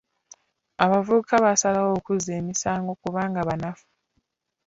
Abavubuka basalawo okuzza emisango kubanga banafu.